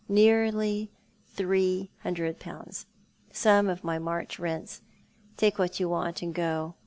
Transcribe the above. Nearly three hundred pounds ; some of my March rents. Take what you want, and go.